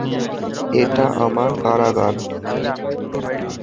এটা আমার কারাগার।